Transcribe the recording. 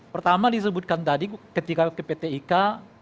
pertama disebutkan tadi ketika ke pt ika